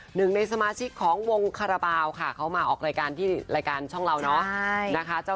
หนึ่งในสมาชิกของวงคาราบาลค่ะเขามาออกรายการที่รายการช่องเราเนาะนะคะ